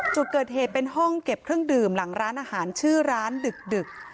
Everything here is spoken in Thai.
จุดเกิดเหตุเป็นห้องเก็บเครื่องดื่มหลังร้านอาหารชื่อร้านดึก